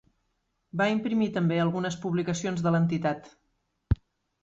Va imprimir també algunes publicacions de l'entitat.